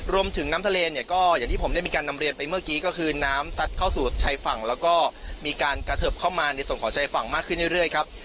รวมถึงน้ำทะเลเนี่ยก็อย่างที่ผมได้มีการนำเรียนไปเมื่อกี้ก็คือน้ำซัดเข้าสู่ชายฝั่งแล้วก็มีการกระเทิบเข้ามาในส่วนของชายฝั่งมากขึ้นเรื่อยครับ